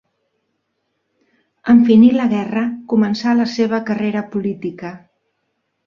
En finir la guerra començà la seva carrera política.